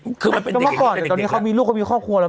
มันเป็นคือมันเป็นเด็กก่อนเดี๋ยวตอนนี้เขามีลูกเขามีครอบครัวแล้ว